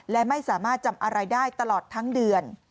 และไม่สามารถจำอะไรได้ตลอดทั้งเดือน